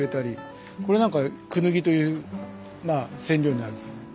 これなんかクヌギというまあ染料になるんですけどね。